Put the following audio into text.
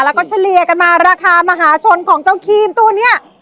แล้วก็เฉลี่ยกันมาราคามหาชนของเจ้าครีมตัวนี้